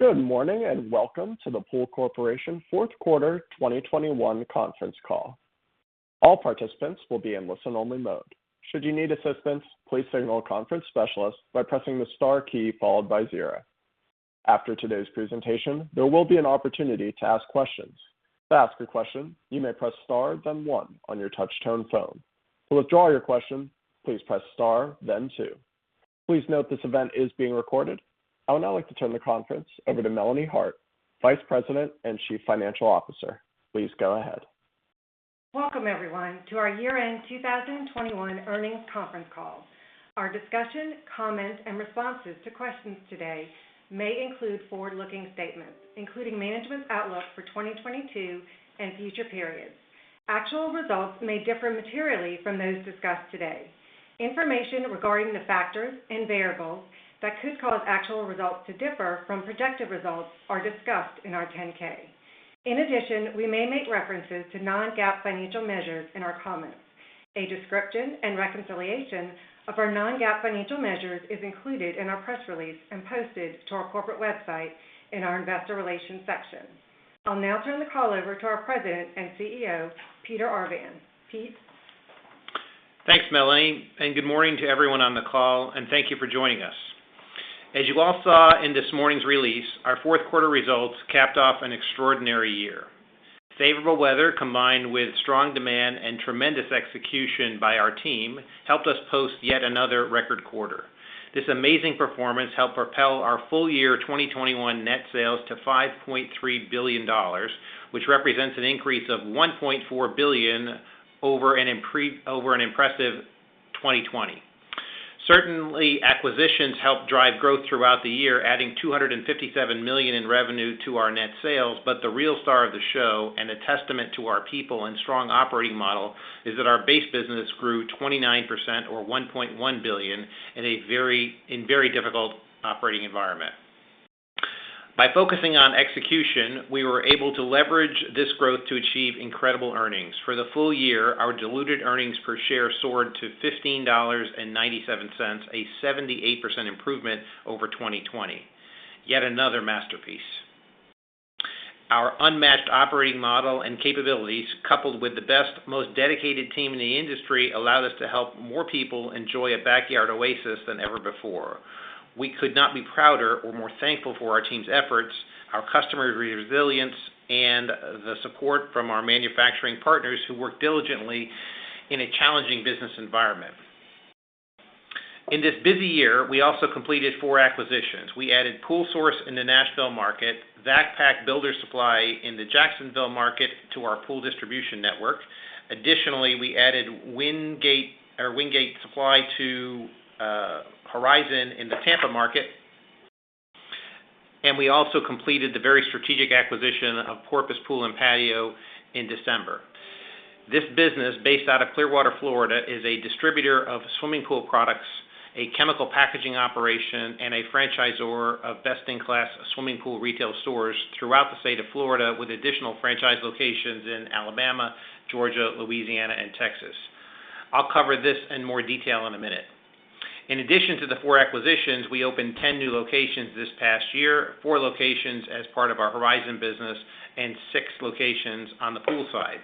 Good morning, and welcome to the POOLCORP fourth quarter 2021 conference call. All participants will be in listen-only mode. Should you need assistance, please signal a conference specialist by pressing the star key followed by zero. After today's presentation, there will be an opportunity to ask questions. To ask a question, you may press star then one on your touch-tone phone. To withdraw your question, please press star then two. Please note this event is being recorded. I would now like to turn the conference over to Melanie Hart, Vice President and Chief Financial Officer. Please go ahead. Welcome, everyone, to our year-end 2021 earnings conference call. Our discussion, comments, and responses to questions today may include forward-looking statements, including management's outlook for 2022 and future periods. Actual results may differ materially from those discussed today. Information regarding the factors and variables that could cause actual results to differ from projected results are discussed in our 10-K. In addition, we may make references to non-GAAP financial measures in our comments. A description and reconciliation of our non-GAAP financial measures is included in our press release and posted to our corporate website in our investor relations section. I'll now turn the call over to our President and CEO, Peter Arvan. Pete. Thanks, Melanie, and good morning to everyone on the call, and thank you for joining us. As you all saw in this morning's release, our fourth quarter results capped off an extraordinary year. Favorable weather, combined with strong demand and tremendous execution by our team, helped us post yet another record quarter. This amazing performance helped propel our full year 2021 net sales to $5.3 billion, which represents an increase of $1.4 billion over an impressive 2020. Certainly, acquisitions helped drive growth throughout the year, adding $257 million in revenue to our net sales. The real star of the show, and a testament to our people and strong operating model, is that our base business grew 29% or $1.1 billion in a very difficult operating environment. By focusing on execution, we were able to leverage this growth to achieve incredible earnings. For the full year, our diluted earnings per share soared to $15.97, a 78% improvement over 2020. Yet another masterpiece. Our unmatched operating model and capabilities, coupled with the best, most dedicated team in the industry, allowed us to help more people enjoy a backyard oasis than ever before. We could not be prouder or more thankful for our team's efforts, our customers' resilience, and the support from our manufacturing partners who work diligently in a challenging business environment. In this busy year, we also completed four acquisitions. We added Pool Source in the Nashville market, Vak Pak Builders Supply in the Jacksonville market to our pool distribution network. Additionally, we added Wingate or Wingate Supply to Horizon in the Tampa market. We also completed the very strategic acquisition of Porpoise Pool & Patio in December. This business, based out of Clearwater, Florida, is a distributor of swimming pool products, a chemical packaging operation, and a franchisor of best-in-class swimming pool retail stores throughout the state of Florida, with additional franchise locations in Alabama, Georgia, Louisiana, and Texas. I'll cover this in more detail in a minute. In addition to the four acquisitions, we opened 10 new locations this past year, four locations as part of our Horizon business and six locations on the pool side.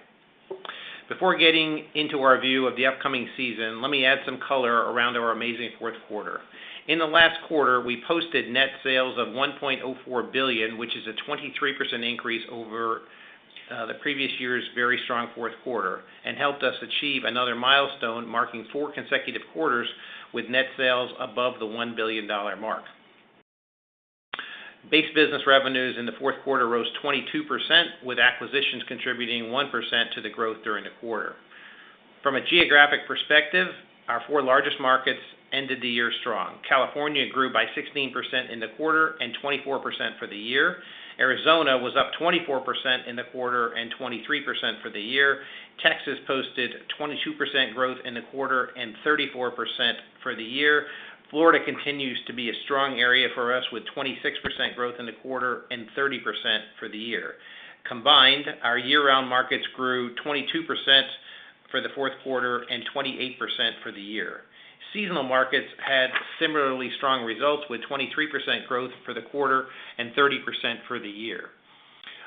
Before getting into our view of the upcoming season, let me add some color around our amazing fourth quarter. In the last quarter, we posted net sales of $1.04 billion, which is a 23% increase over the previous year's very strong fourth quarter and helped us achieve another milestone, marking four consecutive quarters with net sales above the $1 billion mark. Base business revenues in the fourth quarter rose 22%, with acquisitions contributing 1% to the growth during the quarter. From a geographic perspective, our four largest markets ended the year strong. California grew by 16% in the quarter and 24% for the year. Arizona was up 24% in the quarter and 23% for the year. Texas posted 22% growth in the quarter and 34% for the year. Florida continues to be a strong area for us, with 26% growth in the quarter and 30% for the year. Combined, our year-round markets grew 22% for the fourth quarter and 28% for the year. Seasonal markets had similarly strong results, with 23% growth for the quarter and 30% for the year.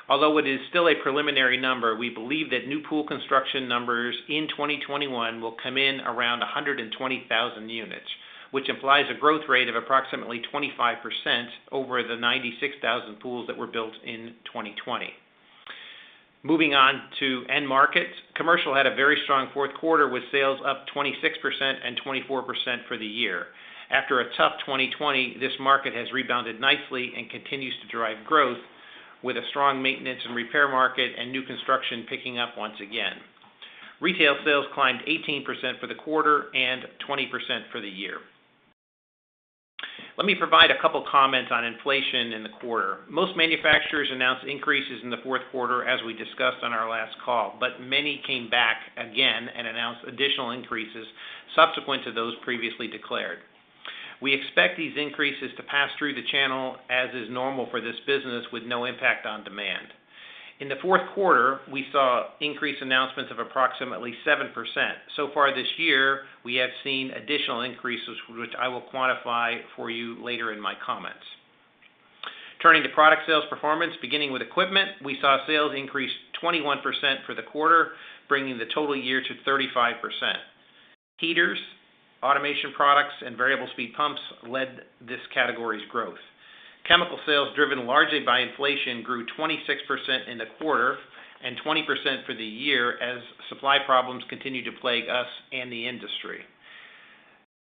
Although it is still a preliminary number, we believe that new pool construction numbers in 2021 will come in around 120,000 units, which implies a growth rate of approximately 25% over the 96,000 pools that were built in 2020. Moving on to end markets. Commercial had a very strong fourth quarter, with sales up 26% and 24% for the year. After a tough 2020, this market has rebounded nicely and continues to drive growth with a strong maintenance and repair market and new construction picking up once again. Retail sales climbed 18% for the quarter and 20% for the year. Let me provide a couple comments on inflation in the quarter. Most manufacturers announced increases in the fourth quarter, as we discussed on our last call, but many came back again and announced additional increases subsequent to those previously declared. We expect these increases to pass through the channel, as is normal for this business, with no impact on demand. In the fourth quarter, we saw increase announcements of approximately 7%. So far this year, we have seen additional increases, which I will quantify for you later in my comments. Turning to product sales performance, beginning with equipment, we saw sales increase 21% for the quarter, bringing the total year to 35%. Heaters, automation products, and variable speed pumps led this category's growth. Chemical sales, driven largely by inflation, grew 26% in the quarter and 20% for the year as supply problems continue to plague us and the industry.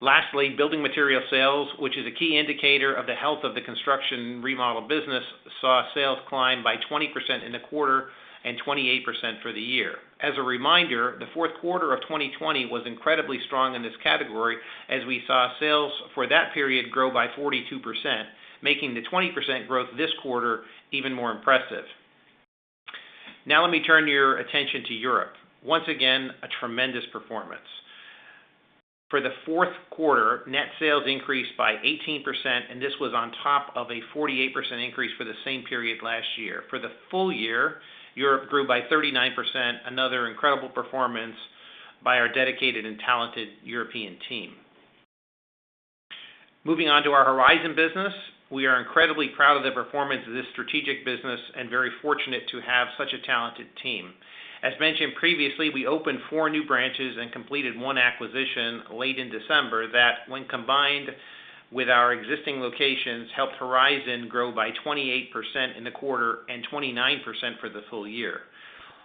Lastly, building material sales, which is a key indicator of the health of the construction remodel business, saw sales climb by 20% in the quarter and 28% for the year. As a reminder, the fourth quarter of 2020 was incredibly strong in this category as we saw sales for that period grow by 42%, making the 20% growth this quarter even more impressive. Now let me turn your attention to Europe. Once again, a tremendous performance. For the fourth quarter, net sales increased by 18%, and this was on top of a 48% increase for the same period last year. For the full year, Europe grew by 39%, another incredible performance by our dedicated and talented European team. Moving on to our Horizon business. We are incredibly proud of the performance of this strategic business and very fortunate to have such a talented team. As mentioned previously, we opened four new branches and completed one acquisition late in December that when combined with our existing locations, helped Horizon grow by 28% in the quarter and 29% for the full year.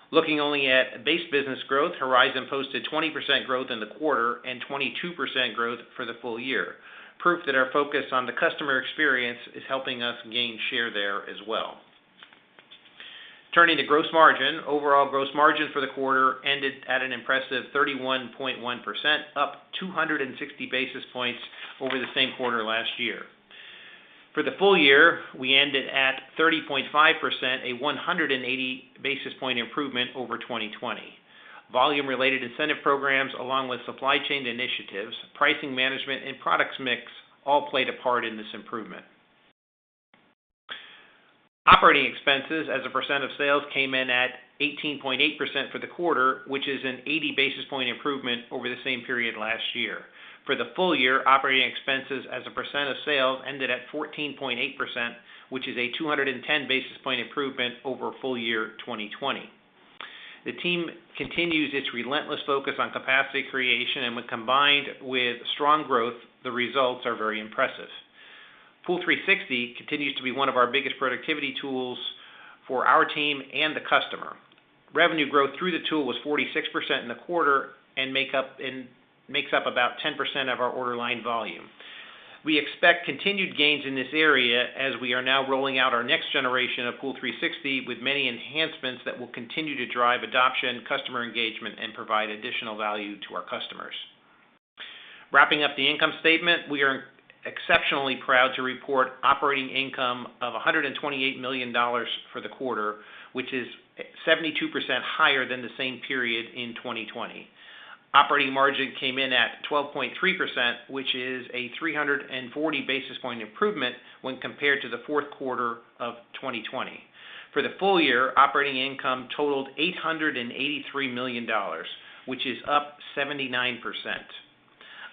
Looking only at base business growth, Horizon posted 20% growth in the quarter and 22% growth for the full year. Proof that our focus on the customer experience is helping us gain share there as well. Turning to gross margin. Overall gross margin for the quarter ended at an impressive 31.1%, up 260 basis points over the same quarter last year. For the full year, we ended at 30.5%, a 180 basis point improvement over 2020. Volume-related incentive programs along with supply chain initiatives, pricing management, and product mix all played a part in this improvement. Operating expenses as a percent of sales came in at 18.8% for the quarter, which is an 80 basis point improvement over the same period last year. For the full year, operating expenses as a percent of sales ended at 14.8%, which is a 210 basis point improvement over full year 2020. The team continues its relentless focus on capacity creation, and when combined with strong growth, the results are very impressive. POOL360 continues to be one of our biggest productivity tools for our team and the customer. Revenue growth through the tool was 46% in the quarter and makes up about 10% of our order line volume. We expect continued gains in this area as we are now rolling out our next generation of POOL360 with many enhancements that will continue to drive adoption, customer engagement, and provide additional value to our customers. Wrapping up the income statement, we are exceptionally proud to report operating income of $128 million for the quarter, which is 72% higher than the same period in 2020. Operating margin came in at 12.3%, which is a 340 basis point improvement when compared to the fourth quarter of 2020. For the full year, operating income totaled $883 million, which is up 79%.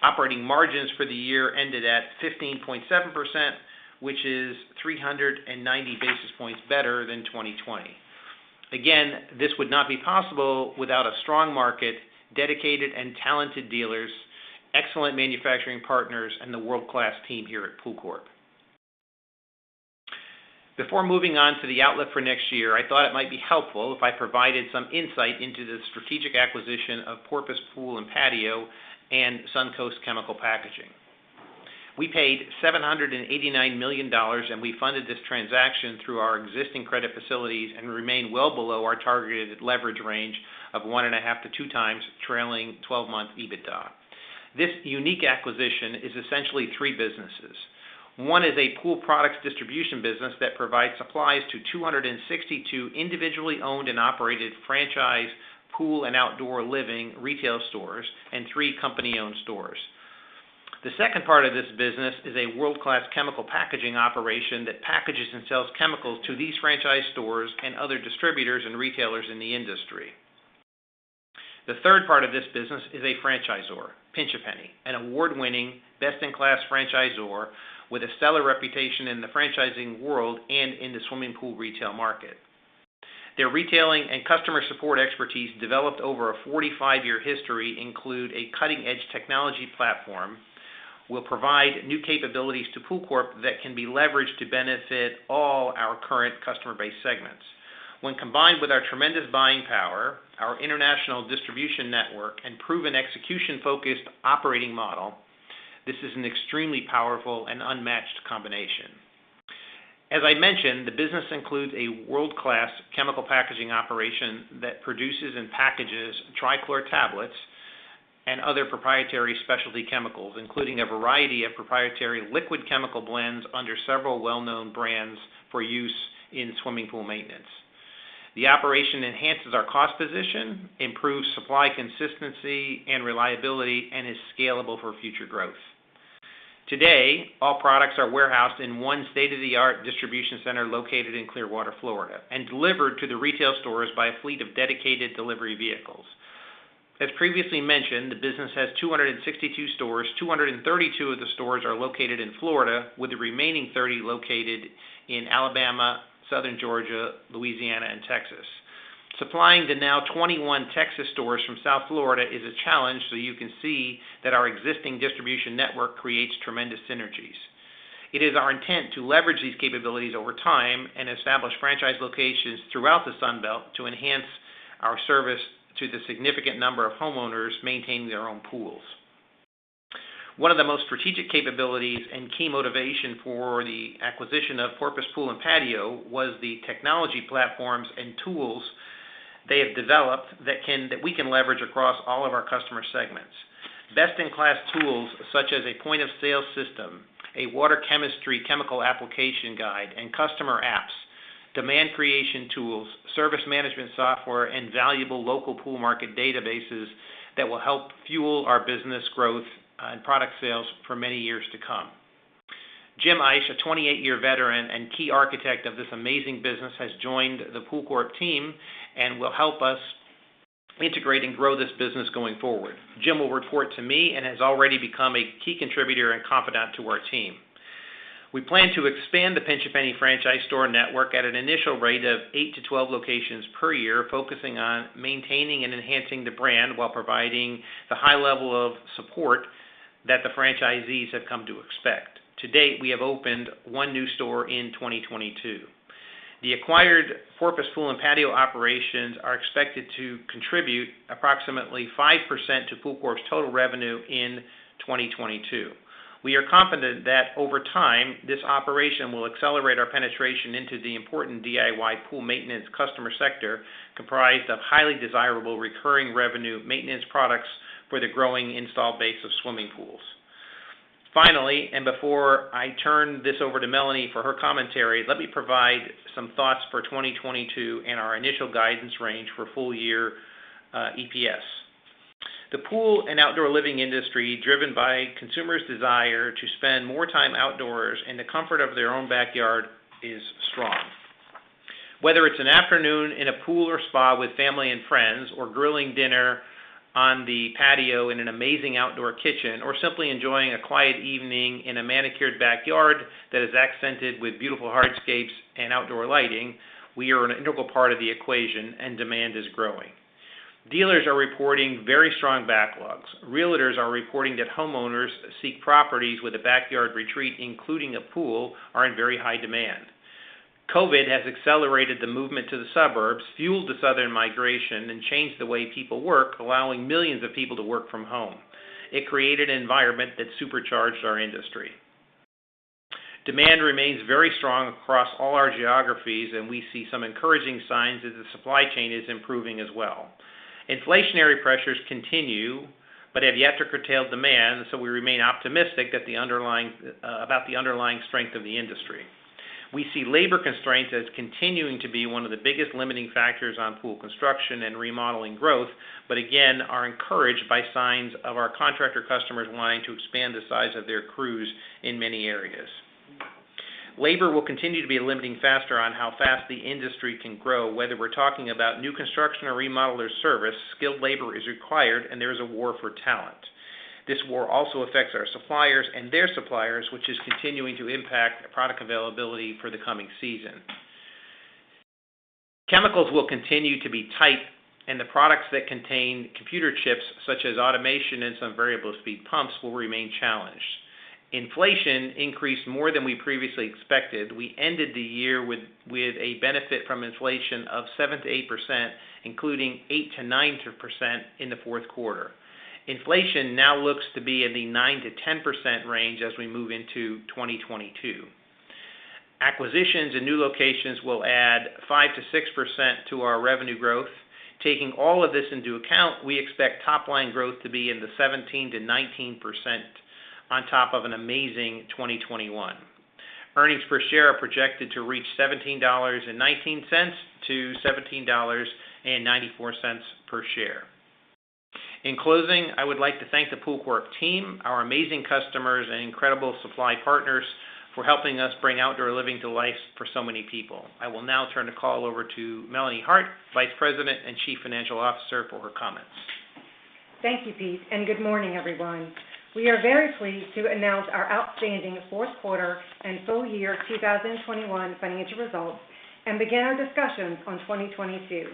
Operating margins for the year ended at 15.7%, which is 390 basis points better than 2020. This would not be possible without a strong market, dedicated and talented dealers, excellent manufacturing partners, and the world-class team here at POOLCORP. Before moving on to the outlook for next year, I thought it might be helpful if I provided some insight into the strategic acquisition of Porpoise Pool & Patio and SunCoast Chemicals. We paid $789 million, and we funded this transaction through our existing credit facilities and remain well below our targeted leverage range of 1.5-2x trailing 12-month EBITDA. This unique acquisition is essentially three businesses. One is a pool products distribution business that provides supplies to 262 individually owned and operated franchise pool and outdoor living retail stores and three company-owned stores. The second part of this business is a world-class chemical packaging operation that packages and sells chemicals to these franchise stores and other distributors and retailers in the industry. The third part of this business is a franchisor, Pinch A Penny, an award-winning, best-in-class franchisor with a stellar reputation in the franchising world and in the swimming pool retail market. Their retailing and customer support expertise, developed over a 45-year history including a cutting-edge technology platform, will provide new capabilities to POOLCORP that can be leveraged to benefit all our current customer base segments. When combined with our tremendous buying power, our international distribution network, and proven execution-focused operating model, this is an extremely powerful and unmatched combination. As I mentioned, the business includes a world-class chemical packaging operation that produces and packages trichlor tablets and other proprietary specialty chemicals, including a variety of proprietary liquid chemical blends under several well-known brands for use in swimming pool maintenance. The operation enhances our cost position, improves supply consistency and reliability, and is scalable for future growth. Today, all products are warehoused in one state-of-the-art distribution center located in Clearwater, Florida, and delivered to the retail stores by a fleet of dedicated delivery vehicles. As previously mentioned, the business has 262 stores. 232 of the stores are located in Florida, with the remaining 30 located in Alabama, southern Georgia, Louisiana, and Texas. Supplying the now 21 Texas stores from South Florida is a challenge, so you can see that our existing distribution network creates tremendous synergies. It is our intent to leverage these capabilities over time and establish franchise locations throughout the Sun Belt to enhance our service to the significant number of homeowners maintaining their own pools. One of the most strategic capabilities and key motivation for the acquisition of Porpoise Pool & Patio was the technology platforms and tools they have developed that we can leverage across all of our customer segments. Best-in-class tools such as a point-of-sale system, a water chemistry chemical application guide and customer apps, demand creation tools, service management software, and valuable local pool market databases that will help fuel our business growth, and product sales for many years to come. Jim Eisch, a 28-year veteran and key architect of this amazing business, has joined the POOLCORP team and will help us integrate and grow this business going forward. Jim will report to me and has already become a key contributor and confidant to our team. We plan to expand the Pinch A Penny franchise store network at an initial rate of eight to 12 locations per year, focusing on maintaining and enhancing the brand while providing the high level of support that the franchisees have come to expect. To date, we have opened one new store in 2022. The acquired Porpoise Pool & Patio operations are expected to contribute approximately 5% to POOLCORP's total revenue in 2022. We are confident that over time, this operation will accelerate our penetration into the important DIY pool maintenance customer sector, comprised of highly desirable recurring revenue maintenance products for the growing installed base of swimming pools. Finally, and before I turn this over to Melanie for her commentary, let me provide some thoughts for 2022 and our initial guidance range for full year EPS. The pool and outdoor living industry, driven by consumers' desire to spend more time outdoors in the comfort of their own backyard, is strong. Whether it's an afternoon in a pool or spa with family and friends, or grilling dinner on the patio in an amazing outdoor kitchen, or simply enjoying a quiet evening in a manicured backyard that is accented with beautiful hardscapes and outdoor lighting, we are an integral part of the equation, and demand is growing. Dealers are reporting very strong backlogs. Realtors are reporting that homeowners seek properties with a backyard retreat, including a pool, are in very high demand. COVID has accelerated the movement to the suburbs, fueled the southern migration, and changed the way people work, allowing millions of people to work from home. It created an environment that supercharged our industry. Demand remains very strong across all our geographies, and we see some encouraging signs as the supply chain is improving as well. Inflationary pressures continue, but have yet to curtail demand, so we remain optimistic that the underlying strength of the industry. We see labor constraints as continuing to be one of the biggest limiting factors on pool construction and remodeling growth, but again, are encouraged by signs of our contractor customers wanting to expand the size of their crews in many areas. Labor will continue to be a limiting factor on how fast the industry can grow. Whether we're talking about new construction or remodeler service, skilled labor is required, and there is a war for talent. This war also affects our suppliers and their suppliers, which is continuing to impact product availability for the coming season. Chemicals will continue to be tight, and the products that contain computer chips, such as automation and some variable speed pumps, will remain challenged. Inflation increased more than we previously expected. We ended the year with a benefit from inflation of 7%-8%, including 8%-9% in the fourth quarter. Inflation now looks to be in the 9%-10% range as we move into 2022. Acquisitions and new locations will add 5%-6% to our revenue growth. Taking all of this into account, we expect top-line growth to be in the 17%-19% on top of an amazing 2021. Earnings per share are projected to reach $17.19-$17.94 per share. In closing, I would like to thank the POOLCORP team, our amazing customers, and incredible supply partners for helping us bring outdoor living to life for so many people. I will now turn the call over to Melanie Hart, Vice President and Chief Financial Officer, for her comments. Thank you, Pete, and good morning, everyone. We are very pleased to announce our outstanding fourth quarter and full year 2021 financial results and begin our discussions on 2022.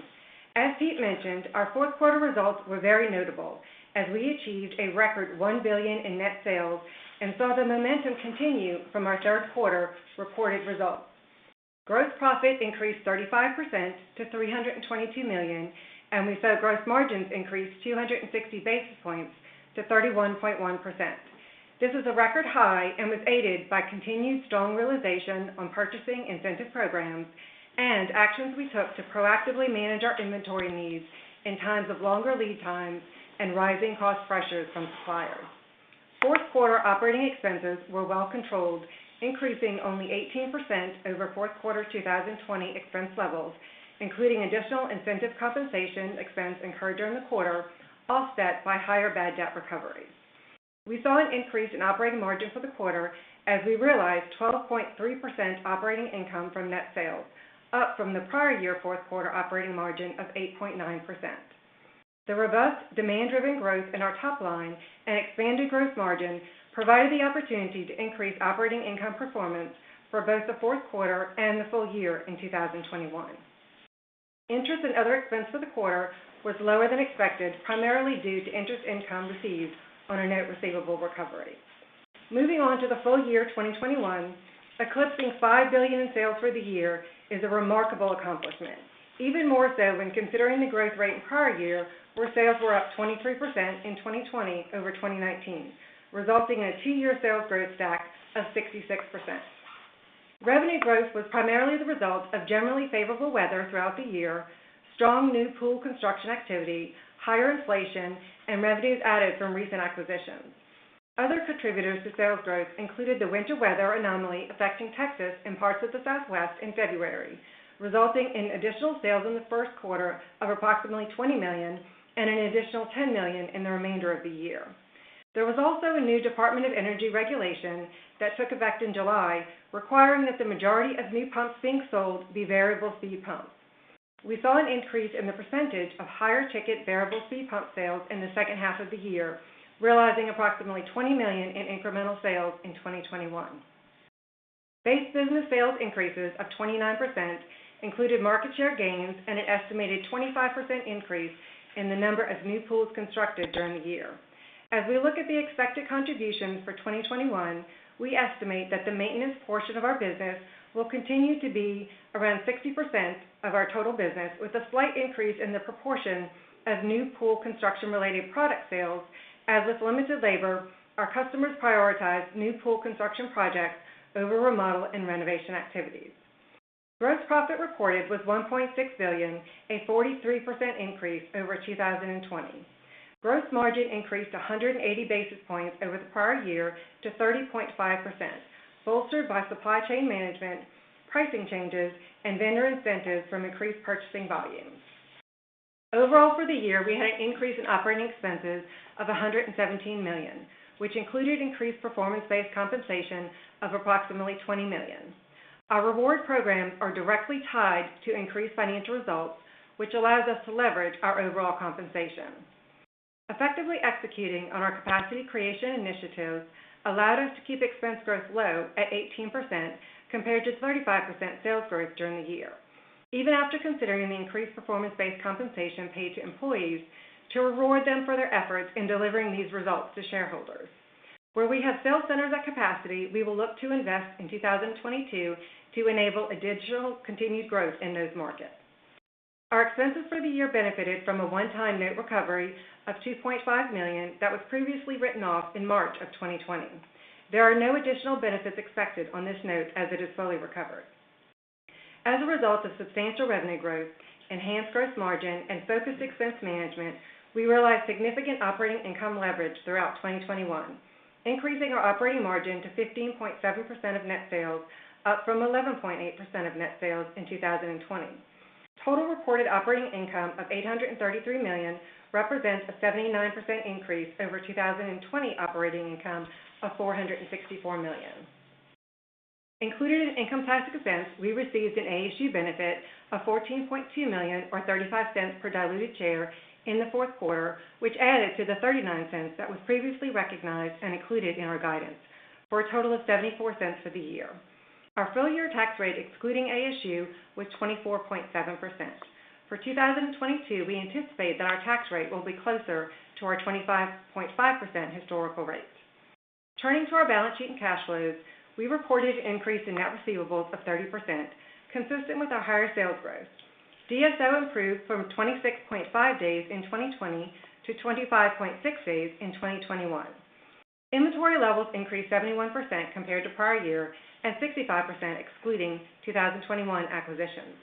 As Pete mentioned, our fourth quarter results were very notable as we achieved a record $1 billion in net sales and saw the momentum continue from our third quarter reported results. Gross profit increased 35% to $322 million, and we saw gross margins increase 260 basis points to 31.1%. This is a record high and was aided by continued strong realization on purchasing incentive programs and actions we took to proactively manage our inventory needs in times of longer lead times and rising cost pressures from suppliers. Fourth quarter operating expenses were well controlled, increasing only 18% over fourth quarter 2020 expense levels, including additional incentive compensation expense incurred during the quarter, offset by higher bad debt recovery. We saw an increase in operating margin for the quarter as we realized 12.3% operating income from net sales, up from the prior year fourth quarter operating margin of 8.9%. The robust demand-driven growth in our top line and expanded gross margin provided the opportunity to increase operating income performance for both the fourth quarter and the full year in 2021. Interest and other expense for the quarter was lower than expected, primarily due to interest income received on a note receivable recovery. Moving on to the full year 2021, eclipsing $5 billion in sales for the year is a remarkable accomplishment. Even more so when considering the growth rate in prior year, where sales were up 23% in 2020 over 2019, resulting in a two-year sales growth stack of 66%. Revenue growth was primarily the result of generally favorable weather throughout the year, strong new pool construction activity, higher inflation, and revenues added from recent acquisitions. Other contributors to sales growth included the winter weather anomaly affecting Texas and parts of the Southwest in February, resulting in additional sales in the first quarter of approximately $20 million and an additional $10 million in the remainder of the year. There was also a new Department of Energy regulation that took effect in July, requiring that the majority of new pumps being sold be variable speed pumps. We saw an increase in the percentage of higher ticket variable speed pump sales in the second half of the year, realizing approximately $20 million in incremental sales in 2021. Base business sales increases of 29% included market share gains and an estimated 25% increase in the number of new pools constructed during the year. As we look at the expected contributions for 2021, we estimate that the maintenance portion of our business will continue to be around 60% of our total business, with a slight increase in the proportion of new pool construction-related product sales. As with limited labor, our customers prioritize new pool construction projects over remodel and renovation activities. Gross profit reported was $1.6 billion, a 43% increase over 2020. Gross margin increased 180 basis points over the prior year to 30.5%, bolstered by supply chain management, pricing changes, and vendor incentives from increased purchasing volumes. Overall, for the year, we had an increase in operating expenses of $117 million, which included increased performance-based compensation of approximately $20 million. Our reward programs are directly tied to increased financial results, which allows us to leverage our overall compensation. Effectively executing on our capacity creation initiatives allowed us to keep expense growth low at 18% compared to 35% sales growth during the year, even after considering the increased performance-based compensation paid to employees to reward them for their efforts in delivering these results to shareholders. Where we have sales centers at capacity, we will look to invest in 2022 to enable additional continued growth in those markets. Our expenses for the year benefited from a one-time note recovery of $2.5 million that was previously written off in March of 2020. There are no additional benefits expected on this note as it is fully recovered. As a result of substantial revenue growth, enhanced gross margin, and focused expense management, we realized significant operating income leverage throughout 2021, increasing our operating margin to 15.7% of net sales, up from 11.8% of net sales in 2020. Total reported operating income of $833 million represents a 79% increase over 2020 operating income of $464 million. Included in income tax expense, we received an ASU benefit of $14.2 million or $0.35 per diluted share in the fourth quarter, which added to the $0.39 that was previously recognized and included in our guidance for a total of $0.74 for the year. Our full year tax rate, excluding ASU, was 24.7%. For 2022, we anticipate that our tax rate will be closer to our 25.5% historical rates. Turning to our balance sheet and cash flows, we reported an increase in net receivables of 30%, consistent with our higher sales growth. DSO improved from 26.5 days in 2020 to 25.6 days in 2021. Inventory levels increased 71% compared to prior year and 65% excluding 2021 acquisitions.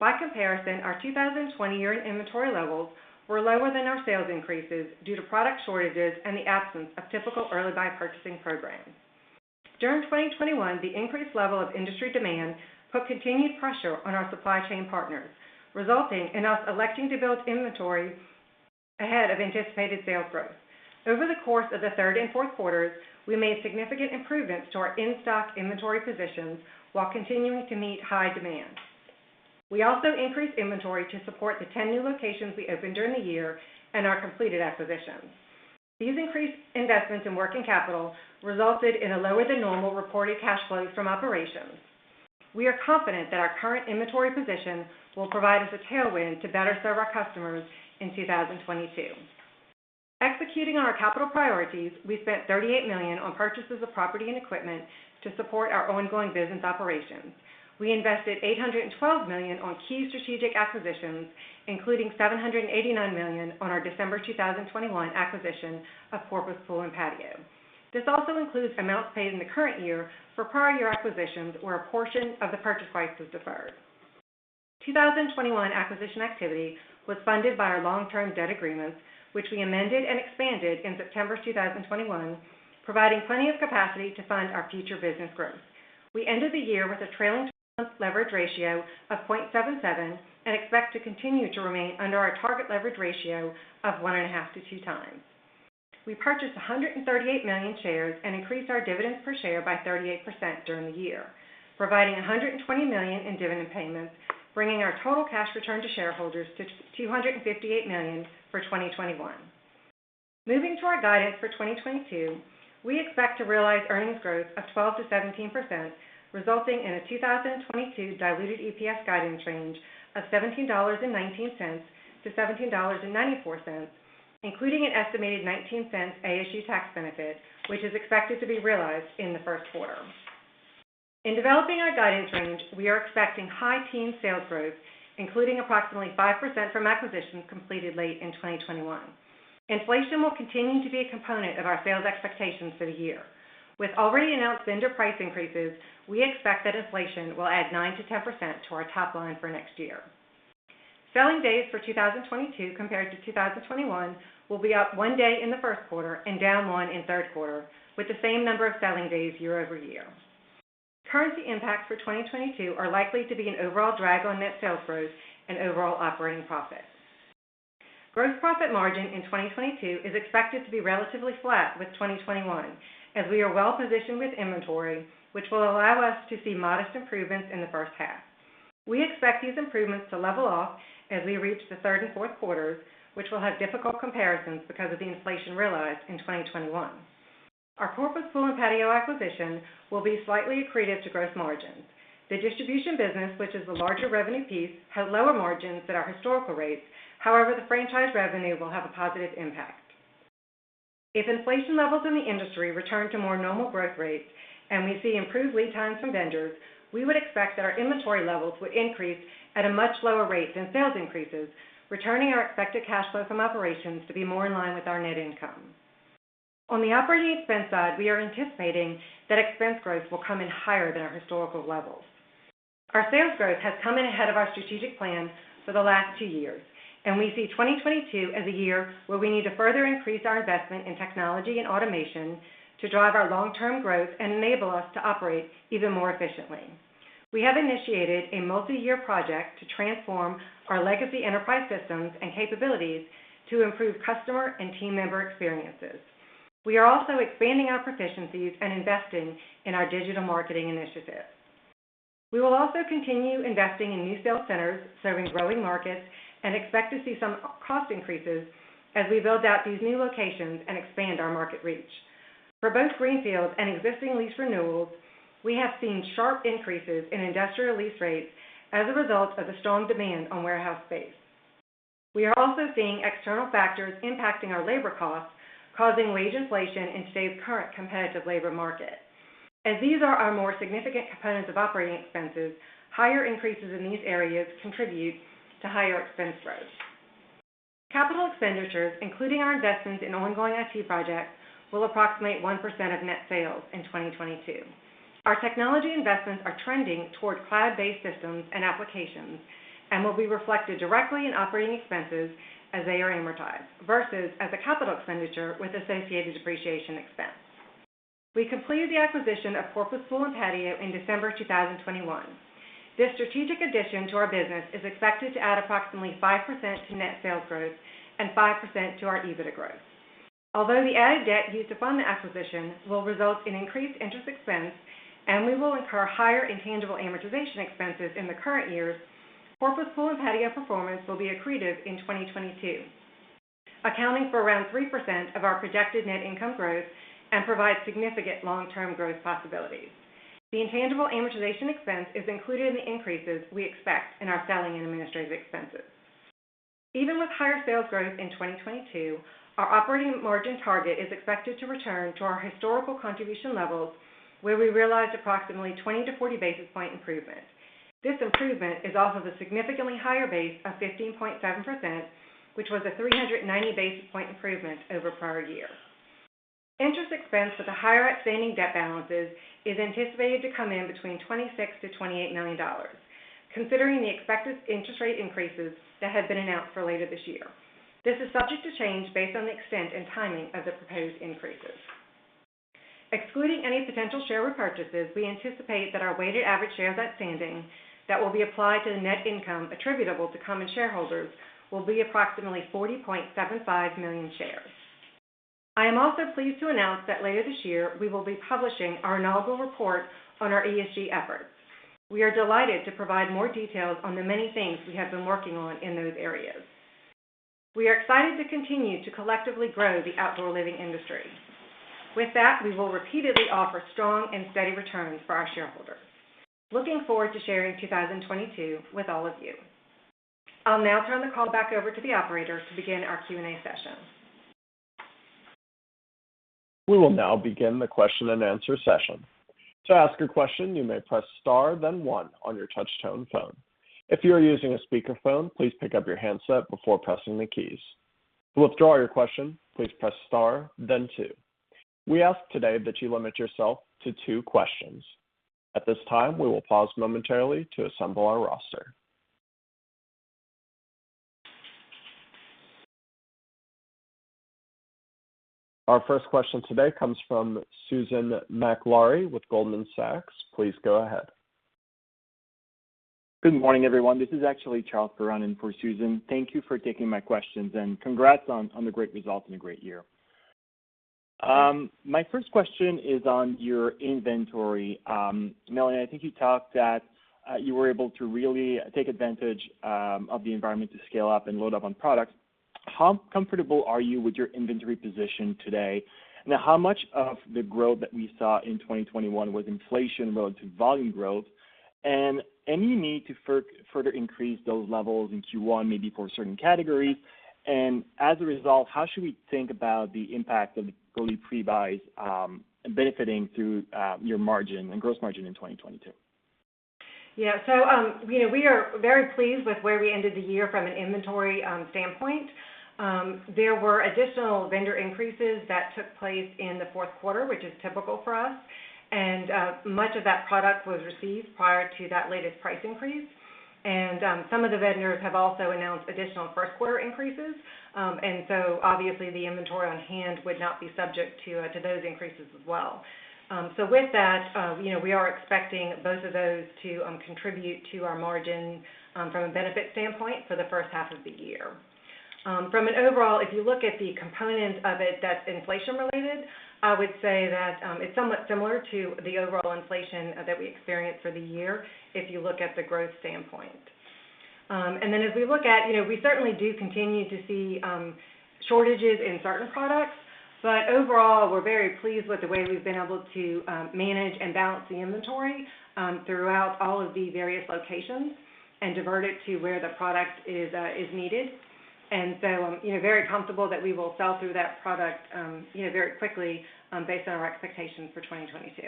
By comparison, our 2020 year-end inventory levels were lower than our sales increases due to product shortages and the absence of typical early buy purchasing programs. During 2021, the increased level of industry demand put continued pressure on our supply chain partners, resulting in us electing to build inventory ahead of anticipated sales growth. Over the course of the third and fourth quarters, we made significant improvements to our in-stock inventory positions while continuing to meet high demand. We also increased inventory to support the 10 new locations we opened during the year and our completed acquisitions. These increased investments in working capital resulted in a lower than normal reported cash flows from operations. We are confident that our current inventory position will provide us a tailwind to better serve our customers in 2022. Executing on our capital priorities, we spent $38 million on purchases of property and equipment to support our ongoing business operations. We invested $812 million on key strategic acquisitions, including $789 million on our December 2021 acquisition of Porpoise Pool & Patio. This also includes amounts paid in the current year for prior year acquisitions, where a portion of the purchase price was deferred. 2021 acquisition activity was funded by our long-term debt agreements, which we amended and expanded in September 2021, providing plenty of capacity to fund our future business growth. We ended the year with a trailing leverage ratio of 0.77 and expect to continue to remain under our target leverage ratio of 1.5-2x. We purchased $138 million shares and increased our dividends per share by 38% during the year, providing $120 million in dividend payments, bringing our total cash return to shareholders to $258 million for 2021. Moving to our guidance for 2022, we expect to realize earnings growth of 12%-17%, resulting in a 2022 diluted EPS guidance range of $17.19-$17.94, including an estimated $0.19 ASU tax benefit, which is expected to be realized in the first quarter. In developing our guidance range, we are expecting high-teens sales growth, including approximately 5% from acquisitions completed late in 2021. Inflation will continue to be a component of our sales expectations for the year. With already announced vendor price increases, we expect that inflation will add 9%-10% to our top line for next year. Selling days for 2022 compared to 2021 will be up 1 day in the first quarter and down 1 in third quarter with the same number of selling days year-over-year. Currency impacts for 2022 are likely to be an overall drag on net sales growth and overall operating profits. Gross profit margin in 2022 is expected to be relatively flat with 2021 as we are well positioned with inventory, which will allow us to see modest improvements in the first half. We expect these improvements to level off as we reach the third and fourth quarters, which will have difficult comparisons because of the inflation realized in 2021. Our Porpoise Pool & Patio acquisition will be slightly accretive to gross margins. The distribution business, which is the larger revenue piece, had lower margins at our historical rates. However, the franchise revenue will have a positive impact. If inflation levels in the industry return to more normal growth rates and we see improved lead times from vendors, we would expect that our inventory levels would increase at a much lower rate than sales increases, returning our expected cash flow from operations to be more in line with our net income. On the operating expense side, we are anticipating that expense growth will come in higher than our historical levels. Our sales growth has come in ahead of our strategic plan for the last two years, and we see 2022 as a year where we need to further increase our investment in technology and automation to drive our long-term growth and enable us to operate even more efficiently. We have initiated a multi-year project to transform our legacy enterprise systems and capabilities to improve customer and team member experiences. We are also expanding our proficiencies and investing in our digital marketing initiatives. We will also continue investing in new sales centers serving growing markets and expect to see some cost increases as we build out these new locations and expand our market reach. For both greenfields and existing lease renewals, we have seen sharp increases in industrial lease rates as a result of the strong demand on warehouse space. We are also seeing external factors impacting our labor costs, causing wage inflation in today's current competitive labor market. As these are our more significant components of operating expenses, higher increases in these areas contribute to higher expense growth. Capital expenditures, including our investments in ongoing IT projects, will approximate 1% of net sales in 2022. Our technology investments are trending toward cloud-based systems and applications and will be reflected directly in operating expenses as they are amortized versus as a capital expenditure with associated depreciation expense. We completed the acquisition of Porpoise Pool & Patio in December 2021. This strategic addition to our business is expected to add approximately 5% to net sales growth and 5% to our EBITDA growth. Although the added debt used to fund the acquisition will result in increased interest expense, and we will incur higher intangible amortization expenses in the current years, Porpoise Pool & Patio performance will be accretive in 2022, accounting for around 3% of our projected net income growth and provide significant long-term growth possibilities. The intangible amortization expense is included in the increases we expect in our selling and administrative expenses. Even with higher sales growth in 2022, our operating margin target is expected to return to our historical contribution levels, where we realized approximately 20-40 basis points improvement. This improvement is off of the significantly higher base of 15.7%, which was a 390 basis points improvement over prior year. Interest expense with the higher outstanding debt balances is anticipated to come in between $26 million-$28 million, considering the expected interest rate increases that have been announced for later this year. This is subject to change based on the extent and timing of the proposed increases. Excluding any potential share repurchases, we anticipate that our weighted average shares outstanding that will be applied to the net income attributable to common shareholders will be approximately 40.75 million shares. I am also pleased to announce that later this year, we will be publishing our inaugural report on our ESG efforts. We are delighted to provide more details on the many things we have been working on in those areas. We are excited to continue to collectively grow the outdoor living industry. With that, we will repeatedly offer strong and steady returns for our shareholders. Looking forward to sharing 2022 with all of you. I'll now turn the call back over to the operator to begin our Q&A session. We will now begin the question and answer session. To ask a question, you may press star then one on your touch-tone phone. If you are using a speakerphone, please pick up your handset before pressing the keys. To withdraw your question, please press star then two. We ask today that you limit yourself to two questions. At this time, we will pause momentarily to assemble our roster. Our first question today comes from Susan Maklari with Goldman Sachs. Please go ahead. Good morning, everyone. This is actually Charles Perron in for Susan. Thank you for taking my questions, and congrats on the great results and a great year. My first question is on your inventory. Melanie, I think you talked that you were able to really take advantage of the environment to scale up and load up on products. How comfortable are you with your inventory position today? How much of the growth that we saw in 2021 was inflation versus volume growth? Any need to further increase those levels in Q1, maybe for certain categories? As a result, how should we think about the impact of the early buy pre-buys benefiting your margin and gross margin in 2022? Yeah. You know, we are very pleased with where we ended the year from an inventory standpoint. There were additional vendor increases that took place in the fourth quarter, which is typical for us. Much of that product was received prior to that latest price increase. Some of the vendors have also announced additional first quarter increases. Obviously the inventory on hand would not be subject to those increases as well. With that, you know, we are expecting both of those to contribute to our margin from a benefit standpoint for the first half of the year. From an overall, if you look at the component of it that's inflation related, I would say that it's somewhat similar to the overall inflation that we experienced for the year if you look at the growth standpoint. As we look at, you know, we certainly do continue to see shortages in certain products, but overall, we're very pleased with the way we've been able to manage and balance the inventory throughout all of the various locations and divert it to where the product is needed. You know, very comfortable that we will sell through that product, you know, very quickly based on our expectations for 2022.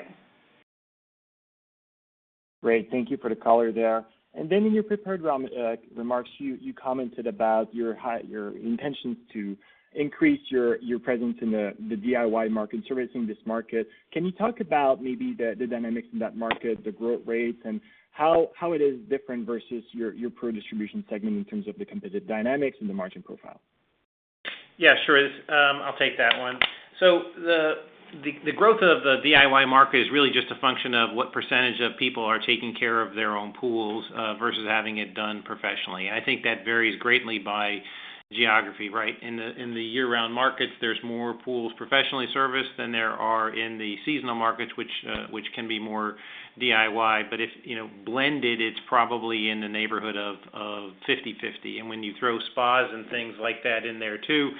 Great. Thank you for the color there. In your prepared remarks, you commented about your intentions to increase your presence in the DIY market, servicing this market. Can you talk about maybe the dynamics in that market, the growth rates, and how it is different versus your pro distribution segment in terms of the competitive dynamics and the margin profile? Yeah, sure. This, I'll take that one. The growth of the DIY market is really just a function of what percentage of people are taking care of their own pools versus having it done professionally. I think that varies greatly by geography, right? In the year-round markets, there's more pools professionally serviced than there are in the seasonal markets which can be more DIY. If you know, blended, it's probably in the neighborhood of 50/50. When you throw spas and things like that in there too,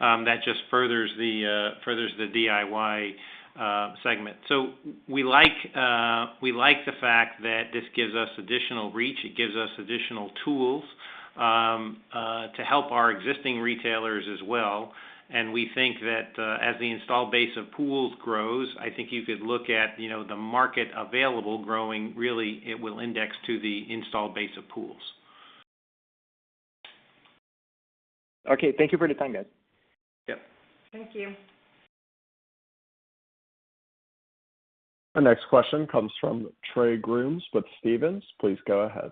that just furthers the DIY segment. We like the fact that this gives us additional reach, it gives us additional tools to help our existing retailers as well. We think that as the installed base of pools grows, I think you could look at, you know, the market available growing. Really, it will index to the installed base of pools. Okay. Thank you for your time, guys. Yep. Thank you. Our next question comes from Trey Grooms with Stephens. Please go ahead.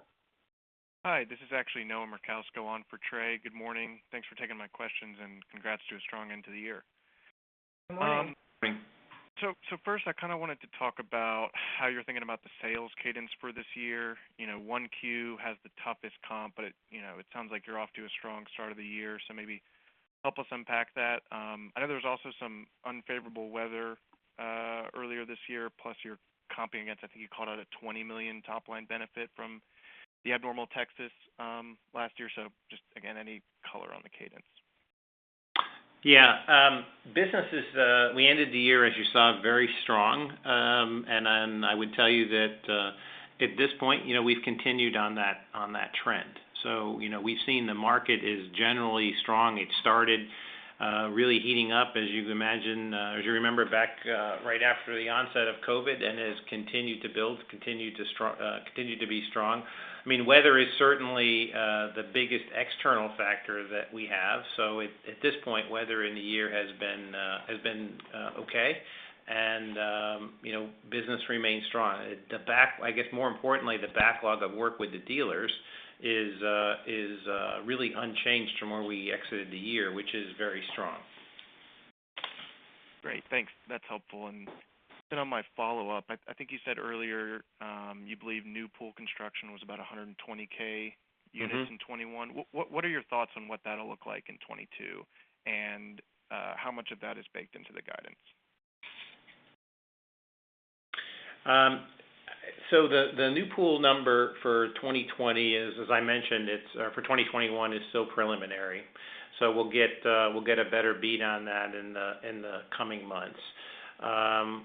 Hi, this is actually Noah Merkousko on for Trey. Good morning. Thanks for taking my questions, and congrats to a strong end to the year. Good morning. Morning. First, I kind of wanted to talk about how you're thinking about the sales cadence for this year. You know, 1Q has the toughest comp, but you know, it sounds like you're off to a strong start of the year, so maybe help us unpack that. I know there's also some unfavorable weather earlier this year, plus you're comping against, I think you called out a $20 million top line benefit from the abnormal Texas last year. Just again, any color on the cadence. Yeah. Business is, we ended the year, as you saw, very strong. Then I would tell you that, at this point, you know, we've continued on that trend. You know, we've seen the market is generally strong. It started, really heating up, as you can imagine, as you remember back, right after the onset of COVID and has continued to build, continued to be strong. I mean, weather is certainly the biggest external factor that we have. At this point, weather in the year has been okay. You know, business remains strong. I guess more importantly, the backlog of work with the dealers is really unchanged from where we exited the year, which is very strong. Great. Thanks. That's helpful. On my follow-up, I think you said earlier, you believe new pool construction was about 120,000 units in 2021. What are your thoughts on what that'll look like in 2022? How much of that is baked into the guidance? The new pool number for 2021 is still preliminary, as I mentioned. We'll get a better beat on that in the coming months.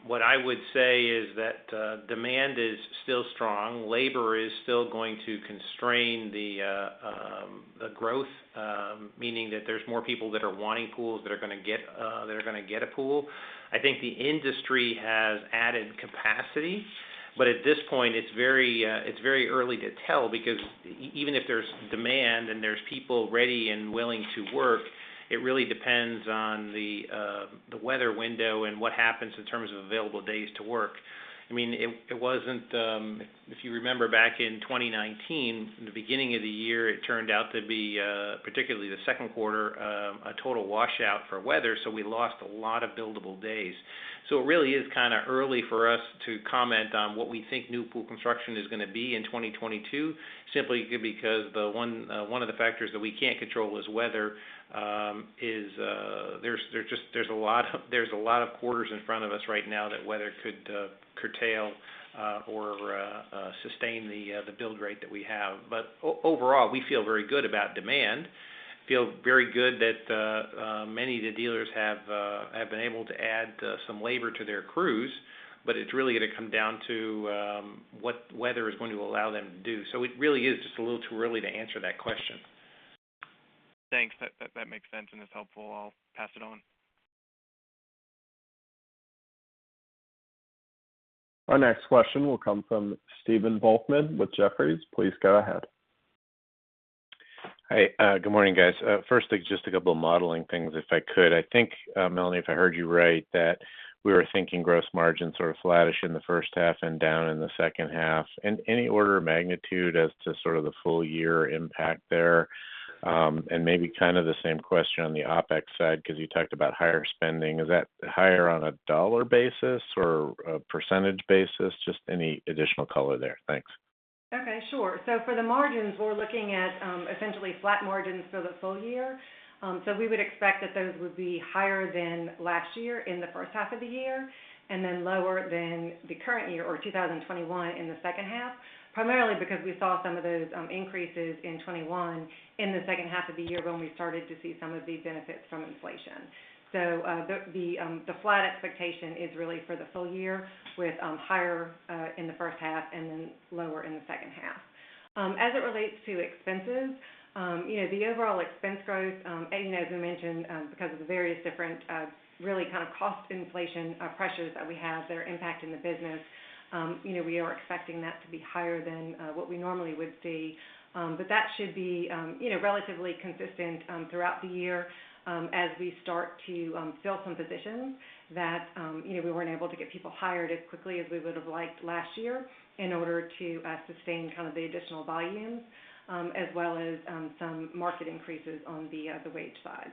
What I would say is that demand is still strong. Labor is still going to constrain the growth, meaning that there's more people that are wanting pools that are gonna get a pool. I think the industry has added capacity, but at this point, it's very early to tell because even if there's demand and there's people ready and willing to work, it really depends on the weather window and what happens in terms of available days to work. I mean, it wasn't. If you remember back in 2019, in the beginning of the year, it turned out to be particularly the second quarter a total washout for weather, so we lost a lot of billable days. It really is kinda early for us to comment on what we think new pool construction is gonna be in 2022, simply because one of the factors that we can't control is weather. There's a lot of quarters in front of us right now that weather could curtail or sustain the build rate that we have. Overall, we feel very good about demand. We feel very good that many of the dealers have been able to add some labor to their crews. It's really gonna come down to what weather is going to allow them to do. It really is just a little too early to answer that question. Thanks. That makes sense, and it's helpful. I'll pass it on. Our next question will come from Stephen Volkmann with Jefferies. Please go ahead. Hi. Good morning, guys. First, just a couple of modeling things, if I could. I think, Melanie, if I heard you right, that we were thinking gross margins sort of flattish in the first half and down in the second half. Any order of magnitude as to sort of the full year impact there? Maybe kind of the same question on the OpEx side, 'cause you talked about higher spending. Is that higher on a dollar basis or a percentage basis? Just any additional color there. Thanks. Okay, sure. For the margins, we're looking at essentially flat margins for the full year. We would expect that those would be higher than last year in the first half of the year, and then lower than the current year or 2021 in the second half, primarily because we saw some of those increases in 21 in the second half of the year when we started to see some of these benefits from inflation. The flat expectation is really for the full year with higher in the first half and then lower in the second half. As it relates to expenses, you know, the overall expense growth, as I mentioned, because of the various different, really kind of cost inflation pressures that we have that are impacting the business, you know, we are expecting that to be higher than what we normally would see. That should be, you know, relatively consistent throughout the year, as we start to fill some positions that, you know, we weren't able to get people hired as quickly as we would've liked last year in order to sustain kind of the additional volumes, as well as some market increases on the wage side.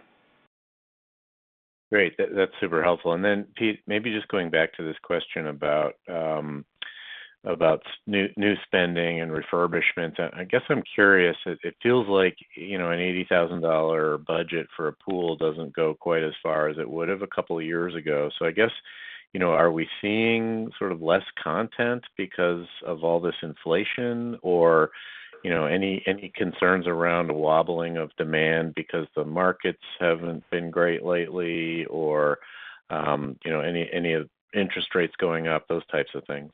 Great. That's super helpful. Then Peter, maybe just going back to this question about new spending and refurbishment. I guess I'm curious. It feels like, you know, a $80,000 budget for a pool doesn't go quite as far as it would have a couple of years ago. I guess, you know, are we seeing sort of less content because of all this inflation? Or, you know, any concerns around wobbling of demand because the markets haven't been great lately or, you know, any of interest rates going up, those types of things?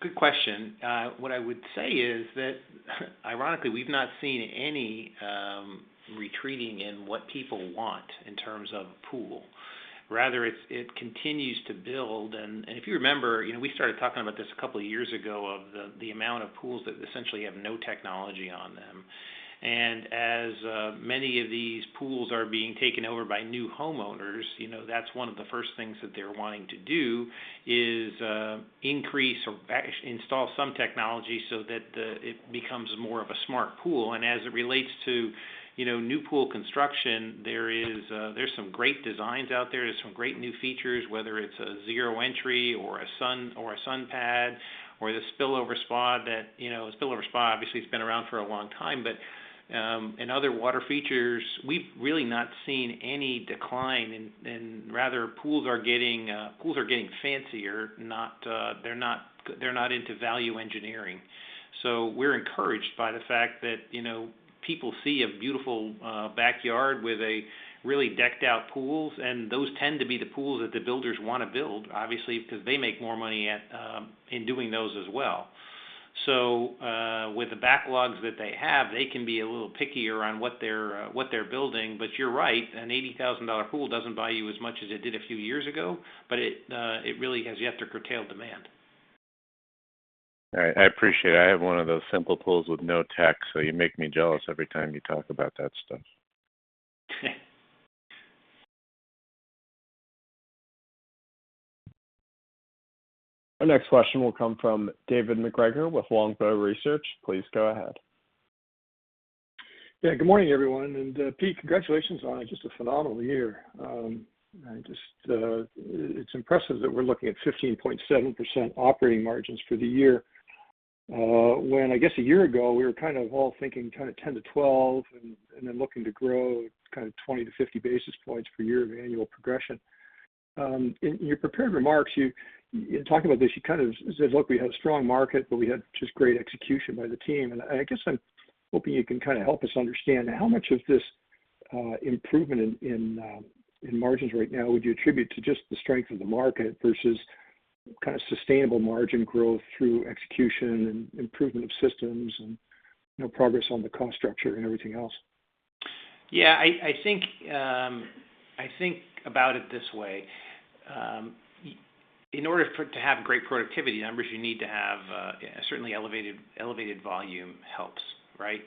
Good question. What I would say is that ironically, we've not seen any retreating in what people want in terms of a pool. Rather, it continues to build. If you remember, you know, we started talking about this a couple of years ago about the amount of pools that essentially have no technology on them. As many of these pools are being taken over by new homeowners, you know, that's one of the first things that they're wanting to do is increase or install some technology so that it becomes more of a smart pool. As it relates to, you know, new pool construction, there are some great designs out there. There's some great new features, whether it's a zero entry or a sun, or a sun pad or the spillover spa that, you know, a spillover spa obviously has been around for a long time, but, and other water features, we've really not seen any decline. Rather pools are getting fancier, they're not into value engineering. We're encouraged by the fact that, you know, people see a beautiful backyard with a really decked out pools, and those tend to be the pools that the builders wanna build, obviously, 'cause they make more money in doing those as well. With the backlogs that they have, they can be a little pickier on what they're building. You're right, an $80,000 pool doesn't buy you as much as it did a few years ago, but it really has yet to curtail demand. All right. I appreciate it. I have one of those simple pools with no tech, so you make me jealous every time you talk about that stuff. Our next question will come from David MacGregor with Longbow Research. Please go ahead. Yeah, good morning, everyone. Pete, congratulations on just a phenomenal year. I just, it's impressive that we're looking at 15.7% operating margins for the year, when I guess a year ago, we were kind of all thinking kind of 10%-12% and then looking to grow kind of 20-50 basis points per year of annual progression. In your prepared remarks, you, in talking about this, you kind of said, "Look, we have strong market, but we had just great execution by the team." I guess I'm hoping you can kind of help us understand how much of this, improvement in margins right now would you attribute to just the strength of the market versus kind of sustainable margin growth through execution and improvement of systems and, you know, progress on the cost structure and everything else? Yeah. I think about it this way. In order to have great productivity numbers, you need to have certainly elevated volume helps, right?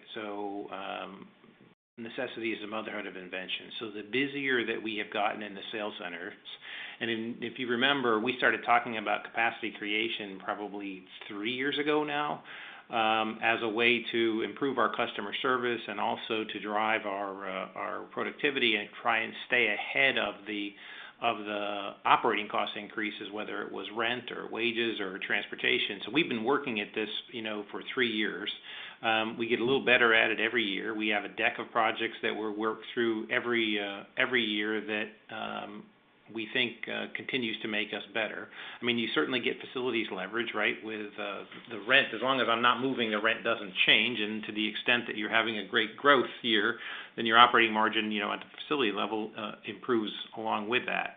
Necessity is the mother of invention. The busier that we have gotten in the sales centers, and if you remember, we started talking about capacity creation probably three years ago now, as a way to improve our customer service and also to drive our productivity and try and stay ahead of the operating cost increases, whether it was rent or wages or transportation. We've been working at this, you know, for three years. We get a little better at it every year. We have a deck of projects that we work through every year that we think continues to make us better. I mean, you certainly get facilities leverage, right, with the rent. As long as I'm not moving, the rent doesn't change. To the extent that you're having a great growth year, then your operating margin, you know, at the facility level, improves along with that.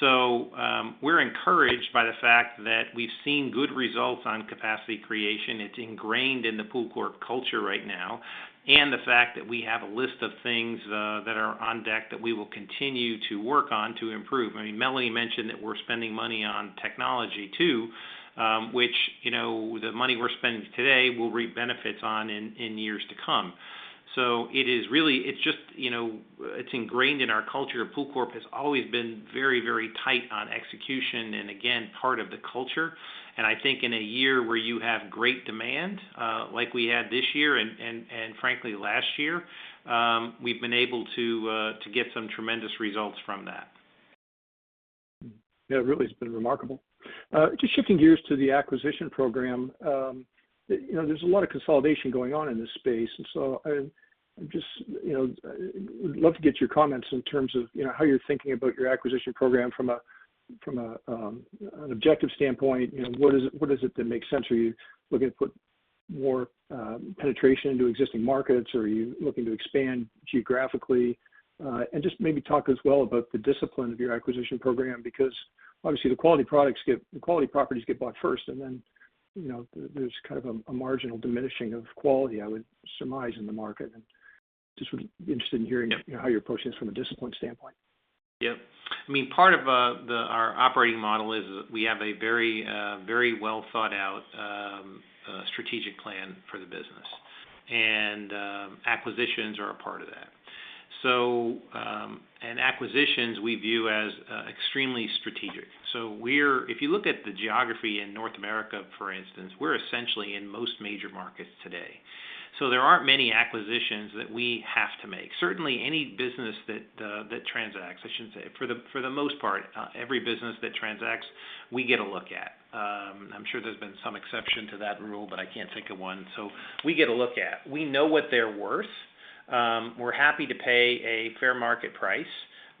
We're encouraged by the fact that we've seen good results on capacity creation. It's ingrained in the POOLCORP culture right now. The fact that we have a list of things that are on deck that we will continue to work on to improve. I mean, Melanie mentioned that we're spending money on technology too, which, you know, the money we're spending today will reap benefits on in years to come. It is really just, you know, it's ingrained in our culture. POOLCORP has always been very, very tight on execution, and again, part of the culture. I think in a year where you have great demand, like we had this year and frankly last year, we've been able to to get some tremendous results from that. Yeah, it really has been remarkable. Just shifting gears to the acquisition program. You know, there's a lot of consolidation going on in this space, and so I'm just, you know, would love to get your comments in terms of, you know, how you're thinking about your acquisition program from a, from a, an objective standpoint. You know, what is it that makes sense? Are you looking to put more penetration into existing markets, or are you looking to expand geographically? And just maybe talk as well about the discipline of your acquisition program, because obviously, the quality properties get bought first, and then, you know, there's kind of a marginal diminishing of quality, I would surmise, in the market. Just would be interested in hearing, you know, how you're approaching this from a discipline standpoint. Yeah. I mean, part of our operating model is we have a very well thought out strategic plan for the business. Acquisitions are a part of that. Acquisitions we view as extremely strategic. If you look at the geography in North America, for instance, we're essentially in most major markets today. There aren't many acquisitions that we have to make. Certainly, any business that transacts, I should say. For the most part, every business that transacts, we get a look at. I'm sure there's been some exception to that rule, but I can't think of one. We get a look at. We know what they're worth. We're happy to pay a fair market price,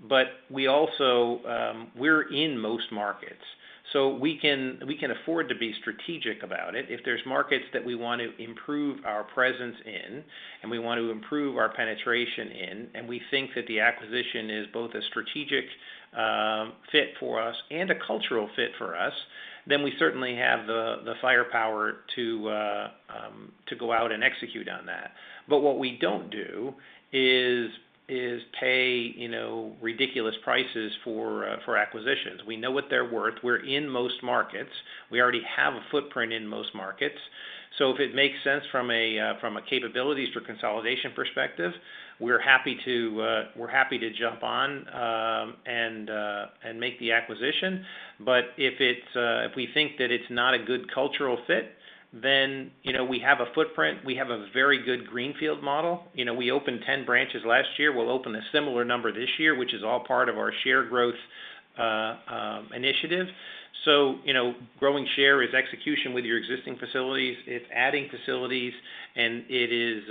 but we also, we're in most markets, so we can afford to be strategic about it. If there's markets that we want to improve our presence in and we want to improve our penetration in, and we think that the acquisition is both a strategic fit for us and a cultural fit for us, then we certainly have the firepower to go out and execute on that. But what we don't do is pay, you know, ridiculous prices for acquisitions. We know what they're worth. We're in most markets. We already have a footprint in most markets. So if it makes sense from a capabilities for consolidation perspective, we're happy to jump on and make the acquisition. If we think that it's not a good cultural fit, then, you know, we have a footprint. We have a very good greenfield model. You know, we opened 10 branches last year. We'll open a similar number this year, which is all part of our share growth initiative. You know, growing share is execution with your existing facilities, it's adding facilities, and it is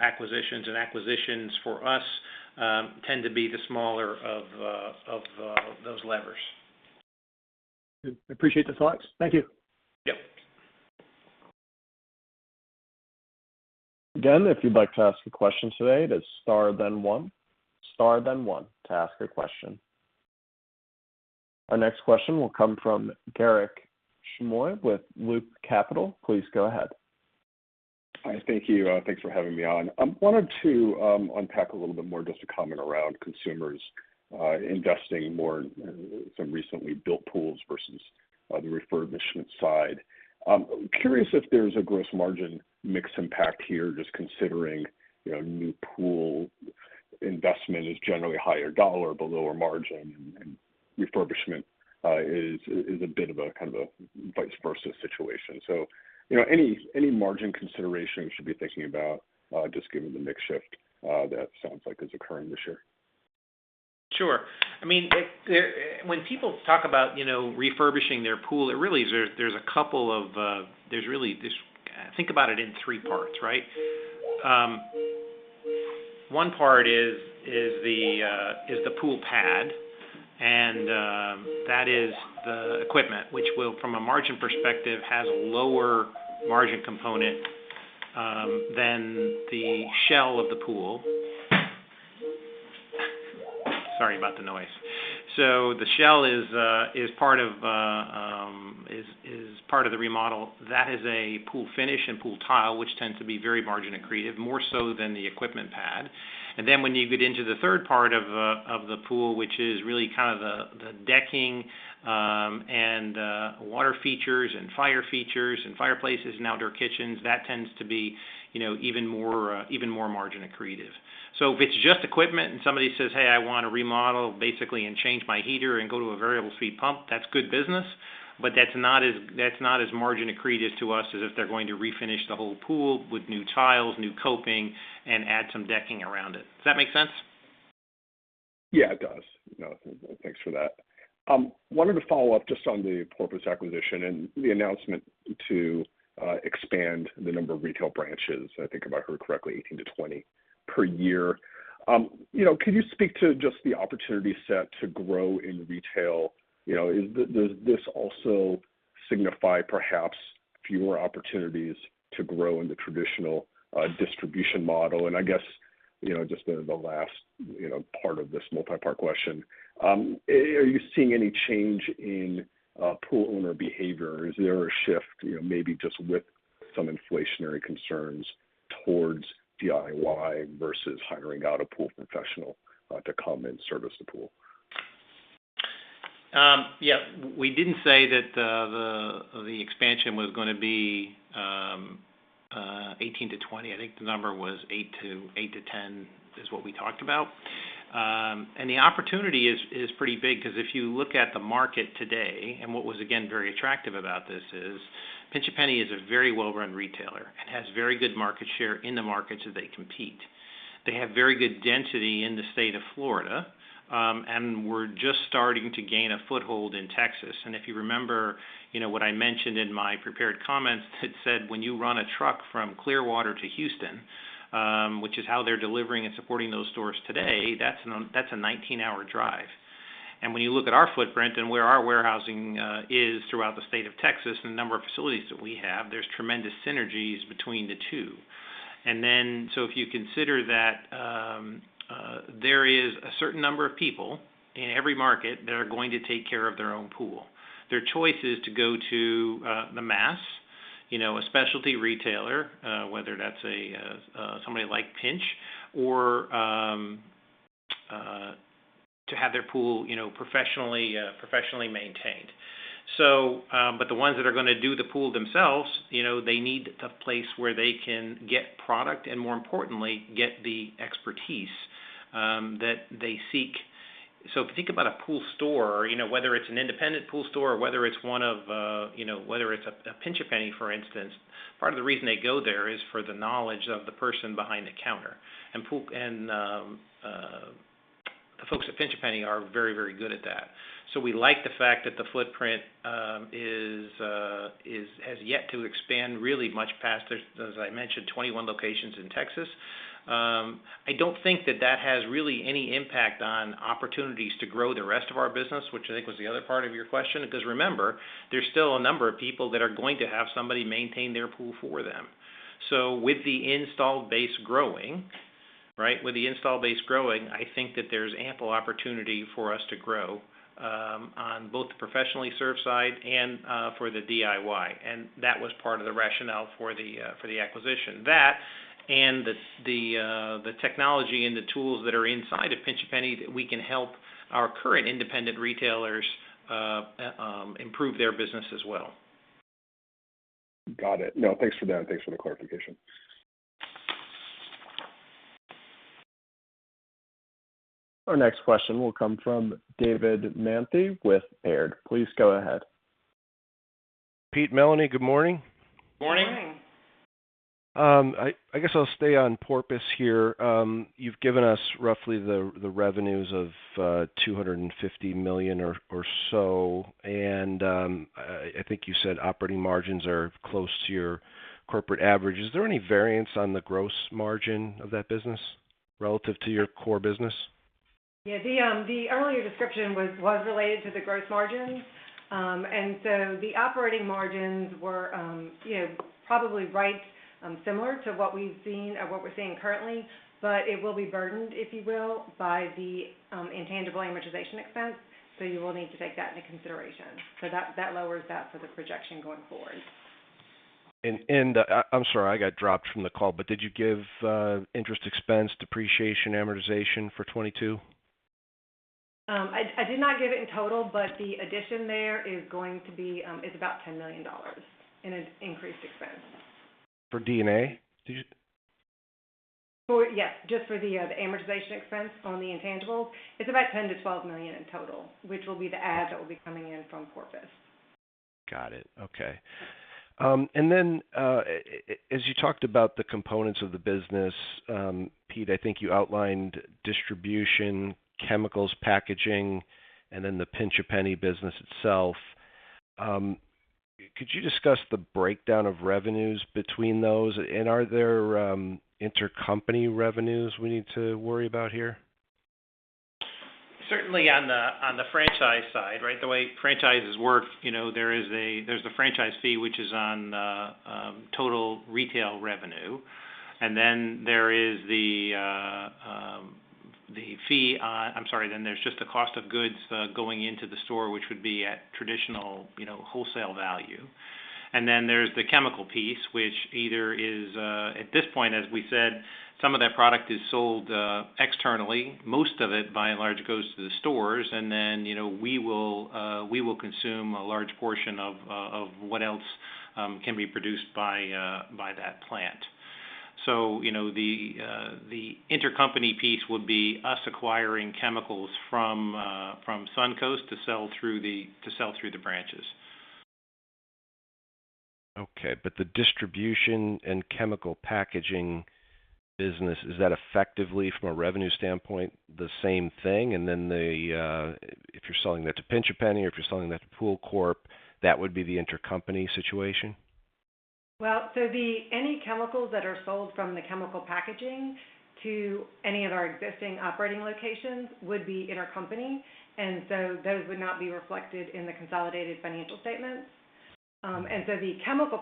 acquisitions. Acquisitions for us tend to be the smaller of those levers. Appreciate the thoughts. Thank you. Yep. Again, if you'd like to ask a question today, that's star then one. Star then one to ask a question. Our next question will come from Garik Shmois with Loop Capital. Please go ahead. Hi. Thank you. Thanks for having me on. I wanted to unpack a little bit more just a comment around consumers investing more in some recently built pools versus the refurbishment side. Curious if there's a gross margin mix impact here, just considering, you know, new pool investment is generally higher dollar but lower margin, and refurbishment is a bit of a kind of a vice versa situation. So, you know, any margin considerations you should be thinking about just given the mix shift that sounds like is occurring this year? Sure. I mean, when people talk about, you know, refurbishing their pool, think about it in three parts, right? One part is the pool pad, and that is the equipment, which, from a margin perspective, has a lower margin component than the shell of the pool. Sorry about the noise. The shell is part of the remodel. That is a pool finish and pool tile, which tends to be very margin accretive, more so than the equipment pad. When you get into the third part of the pool, which is really kind of the decking and water features and fire features and fireplaces and outdoor kitchens, that tends to be, you know, even more margin accretive. If it's just equipment and somebody says, "Hey, I wanna remodel basically and change my heater and go to a variable speed pump," that's good business, but that's not as margin accretive to us as if they're going to refinish the whole pool with new tiles, new coping, and add some decking around it. Does that make sense? Yeah, it does. No, thanks for that. Wanted to follow up just on the Porpoise acquisition and the announcement to expand the number of retail branches, I think if I heard correctly, 18-20 per year. You know, could you speak to just the opportunity set to grow in retail? You know, does this also signify perhaps fewer opportunities to grow in the traditional distribution model? I guess, you know, just the last part of this multi-part question, are you seeing any change in pool owner behavior? Is there a shift, you know, maybe just with some inflationary concerns towards DIY versus hiring out a pool professional to come and service the pool? Yeah, we didn't say that the expansion was gonna be 18-20. I think the number was 8-10 is what we talked about. The opportunity is pretty big 'cause if you look at the market today, and what was again very attractive about this is Pinch A Penny is a very well-run retailer and has very good market share in the markets that they compete. They have very good density in the state of Florida, and we're just starting to gain a foothold in Texas. If you remember, you know, what I mentioned in my prepared comments that said, when you run a truck from Clearwater to Houston, which is how they're delivering and supporting those stores today, that's a 19-hour drive. When you look at our footprint and where our warehousing is throughout the state of Texas and the number of facilities that we have, there's tremendous synergies between the two. If you consider that, there is a certain number of people in every market that are going to take care of their own pool. Their choice is to go to the mass, you know, a specialty retailer, whether that's somebody like Pinch or to have their pool, you know, professionally maintained. But the ones that are gonna do the pool themselves, you know, they need a place where they can get product and, more importantly, get the expertise that they seek. If you think about a pool store, you know, whether it's an independent pool store or whether it's one of, you know, whether it's a Pinch A Penny, for instance, part of the reason they go there is for the knowledge of the person behind the counter. The folks at Pinch A Penny are very, very good at that. We like the fact that the footprint has yet to expand really much past the, as I mentioned, 21 locations in Texas. I don't think that has really any impact on opportunities to grow the rest of our business, which I think was the other part of your question. Because remember, there's still a number of people that are going to have somebody maintain their pool for them. With the installed base growing, right, I think that there's ample opportunity for us to grow on both the professionally served side and for the DIY, and that was part of the rationale for the acquisition. That and the technology and the tools that are inside of Pinch A Penny that we can help our current independent retailers improve their business as well. Got it. No, thanks for that and thanks for the clarification. Our next question will come from David Manthey with Baird. Please go ahead. Peter, Melanie, good morning. Morning. Morning. I guess I'll stay on Porpoise here. You've given us roughly the revenues of $250 million or so, and I think you said operating margins are close to your corporate average. Is there any variance on the gross margin of that business relative to your core business? Yeah, the earlier description was related to the gross margins. The operating margins were, you know, probably right, similar to what we've seen or what we're seeing currently, but it will be burdened, if you will, by the intangible amortization expense, so you will need to take that into consideration. That lowers that for the projection going forward. I'm sorry, I got dropped from the call, but did you give interest expense, depreciation, amortization for 2022? I did not give it in total, but the addition there is going to be about $10 million in an increased expense. For D&A? Yes, just for the amortization expense on the intangibles. It's about $10 million-$12 million in total, which will be the add that will be coming in from Porpoise. Got it. Okay. As you talked about the components of the business, Pete, I think you outlined distribution, chemicals, packaging, and then the Pinch A Penny business itself. Could you discuss the breakdown of revenues between those? And are there intercompany revenues we need to worry about here? Certainly on the franchise side, right? The way franchises work, you know, there's the franchise fee, which is on total retail revenue, and then, I'm sorry, there's just the cost of goods going into the store, which would be at traditional, you know, wholesale value. There's the chemical piece, which either is. At this point, as we said, some of that product is sold externally. Most of it, by and large, goes to the stores. you know, we will consume a large portion of what else can be produced by that plant. you know, the intercompany piece would be us acquiring chemicals from SunCoast to sell through the branches. Okay. The distribution and chemical packaging business, is that effectively, from a revenue standpoint, the same thing? If you're selling that to Pinch A Penny or if you're selling that to POOLCORP, that would be the intercompany situation? Any chemicals that are sold from the chemical packaging to any of our existing operating locations would be intercompany, and those would not be reflected in the consolidated financial statements. The chemical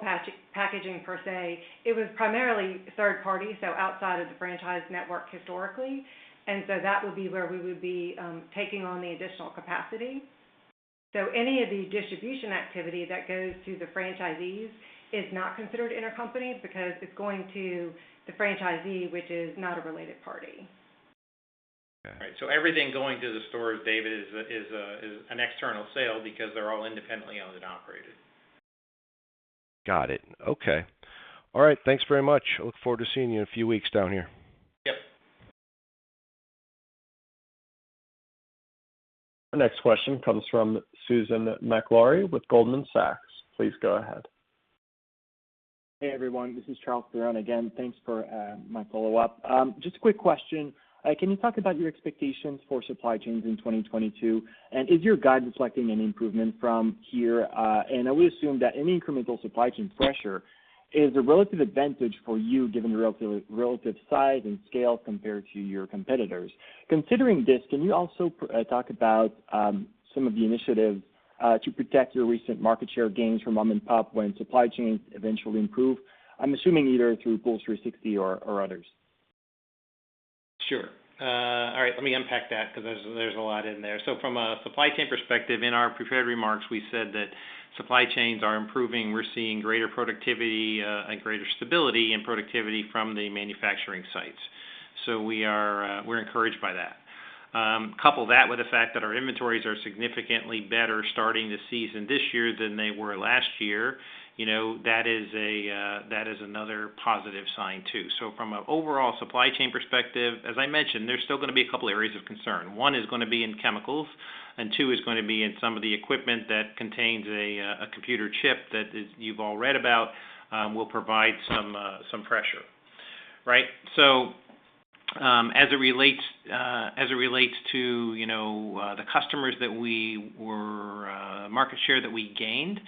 packaging per se was primarily third party, so outside of the franchise network historically. That would be where we would be taking on the additional capacity. Any of the distribution activity that goes to the franchisees is not considered intercompany because it's going to the franchisee, which is not a related party. Okay. Right. Everything going to the stores, David, is an external sale because they're all independently owned and operated. Got it. Okay. All right. Thanks very much. I look forward to seeing you in a few weeks down here. Yep. The next question comes from Susan Maklari with Goldman Sachs. Please go ahead. Hey, everyone. This is Charles Perron again. Thanks for my follow-up. Just a quick question. Can you talk about your expectations for supply chains in 2022? Is your guidance reflecting any improvement from here? I would assume that any incremental supply chain pressure is a relative advantage for you, given the relative size and scale compared to your competitors. Considering this, can you also talk about some of the initiatives to protect your recent market share gains from mom and pop when supply chains eventually improve? I'm assuming either through POOL360 or others. Sure. All right, let me unpack that because there's a lot in there. From a supply chain perspective, in our prepared remarks, we said that supply chains are improving. We're seeing greater productivity and greater stability and productivity from the manufacturing sites. We're encouraged by that. Couple that with the fact that our inventories are significantly better starting the season this year than they were last year, you know, that is another positive sign too. From an overall supply chain perspective, as I mentioned, there's still gonna be a couple areas of concern. One is gonna be in chemicals, and two is gonna be in some of the equipment that contains a computer chip that you've all read about will provide some pressure, right? As it relates to, you know, the market share that we gained,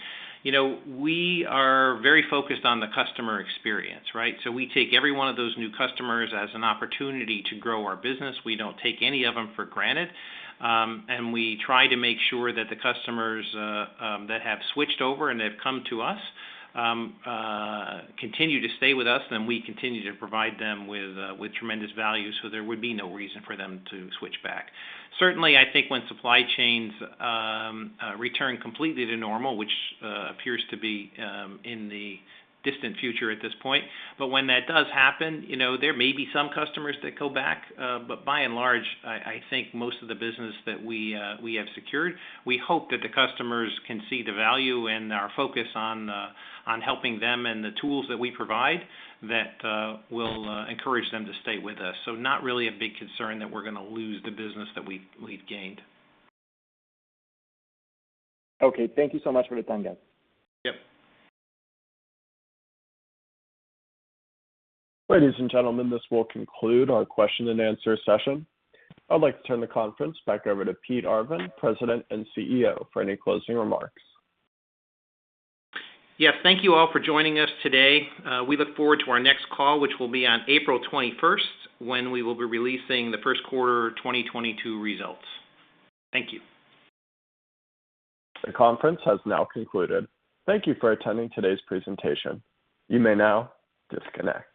you know, we are very focused on the customer experience, right? We take every one of those new customers as an opportunity to grow our business. We don't take any of them for granted. We try to make sure that the customers that have switched over and they've come to us continue to stay with us, and we continue to provide them with tremendous value, so there would be no reason for them to switch back. Certainly, I think when supply chains return completely to normal, which appears to be in the distant future at this point. When that does happen, you know, there may be some customers that go back. By and large, I think most of the business that we have secured. We hope that the customers can see the value and our focus on helping them and the tools that we provide that will encourage them to stay with us. Not really a big concern that we're gonna lose the business that we've gained. Okay. Thank you so much for the time, guys. Yep. Ladies and gentlemen, this will conclude our question and answer session. I'd like to turn the conference back over to Peter Arvan, President and CEO, for any closing remarks. Yes. Thank you all for joining us today. We look forward to our next call, which will be on April 21st, when we will be releasing the first quarter 2022 results. Thank you. The conference has now concluded. Thank you for attending today's presentation. You may now disconnect.